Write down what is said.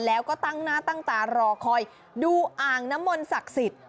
แล้วก็ตั้งหน้าตั้งตารอคอยดูอ่างนมรศักษิษฐ์